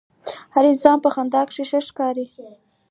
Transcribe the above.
هر انسان په خندا کښې ښه ښکاري.